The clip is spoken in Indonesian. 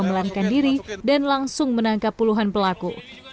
melarikan diri dan langsung menangkap puluhan pelaku